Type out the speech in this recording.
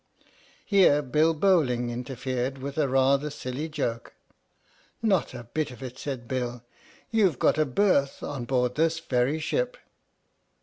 Here Bill Bowling interfered with a rather silly joke. " Not a bit of it," said Bill, "you've got a berth on board this very ship